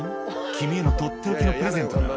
「君へのとっておきのプレゼントだ」